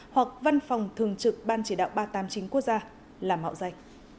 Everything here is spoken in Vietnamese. hoặc văn phòng thường trực ban chỉ đạo ba trăm tám mươi chín quốc gia là mạo dạy